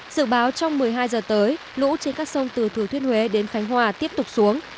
dự báo trong một mươi hai giờ tới lũ trên các sông từ thừa thiên huế đến khánh hòa tiếp tục xuống